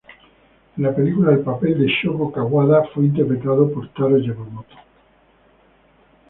En la película el papel de Shogo Kawada fue interpretado por Taro Yamamoto.